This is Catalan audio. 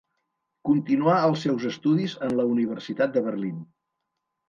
Continuà els seus estudis en la Universitat de Berlín.